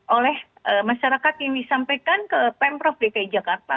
oleh masyarakat yang disampaikan ke pm prof dki jakarta